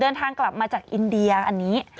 เดินทางกลับมาจากอินเดียอันนี้